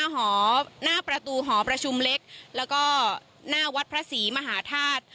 หน้าประตูหอประชุมเล็กแล้วก็หน้าวัดพระศรีมหาธาตุ